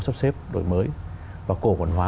sắp xếp đổi mới và cổ quản hóa